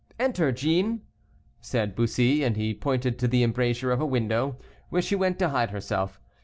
"Enter, Jean," said Bussy, and he pointed to the embrasure of a window, where she went to hide herself.